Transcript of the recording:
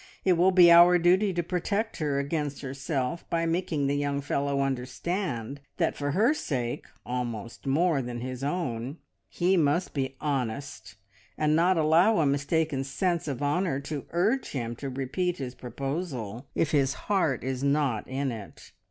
It will be our duty to protect her against herself, by making the young fellow understand that for her sake, almost more than his own, he must be honest, and not allow a mistaken sense of honour to urge him to repeat his proposal if his heart is not in it.